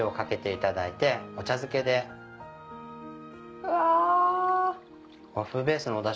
うわ。